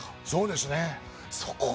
そうですね。